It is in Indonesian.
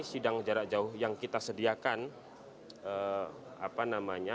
sidang jarak jauh yang kita sediakan